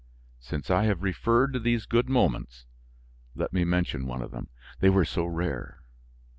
Since I have referred to these good moments, let me mention one of them, they were so rare.